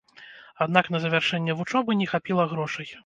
Аднак на завяршэнне вучобы не хапіла грошай.